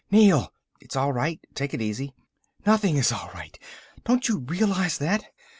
"Neel!" "It's all right. Take it easy " "Nothing is all right don't you realize that.